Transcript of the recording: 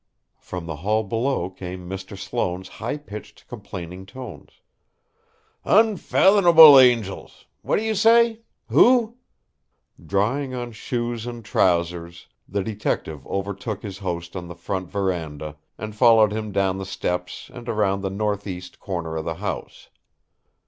From the hall below came Mr. Sloane's high pitched, complaining tones: "Unfathomable angels! What do you say? Who?" Drawing on shoes and trousers, the detective overtook his host on the front verandah and followed him down the steps and around the northeast corner of the house.